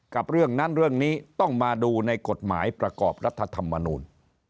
เรื่องนั้นเรื่องนี้ต้องมาดูในกฎหมายประกอบรัฐธรรมนูล